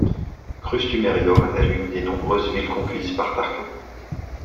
Crustumerium est l'une des nombreuses villes conquises par Tarquin.